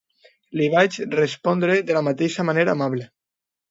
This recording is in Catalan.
Li vaig respondre de la mateixa manera amable.